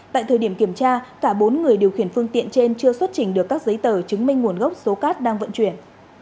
tại thời điểm kiểm tra cả bốn người điều khiển phương tiện trên chưa xuất trình được các giấy tờ chứng minh nguồn gốc số cát đang vận chuyển